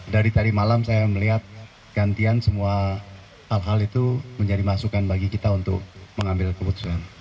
dari tadi malam saya melihat gantian semua hal hal itu menjadi masukan bagi kita untuk mengambil keputusan